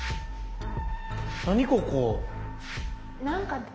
何か。